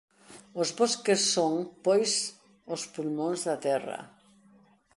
Os bosques son pois os pulmóns da Terra.